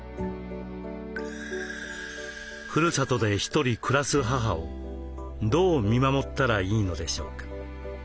ふるさとで一人暮らす母をどう見守ったらいいのでしょうか。